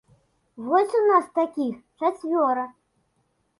Вось у нас такіх чацвёра.